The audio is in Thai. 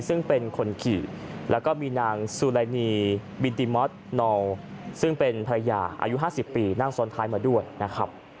ซึ่งเป็นคนขี่แล้วก็มีนางซูไลนีบินติมอสนอลซึ่งเป็นภรรยาอายุ๕๐ปีนั่งซ้อนท้ายมาด้วยนะครับ